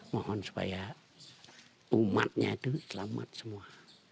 mohon supaya umatnya itu selamat semua